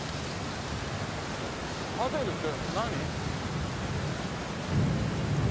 パデルって何？